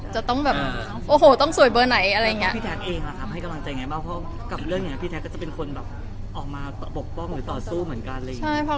ใช่ค่ะ